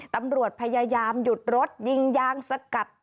ตำรวจพยายามหยุดรถยิงยางสกัด